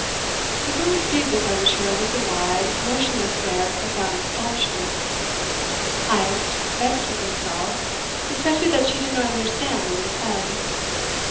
The girl received this overture with the wide, motionless stare of profound astonishment. Heyst, vexed with himself, suspected that she did not understand what he said.